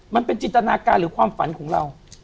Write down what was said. มันเป็นจินตนาการหรือความฝันของเรา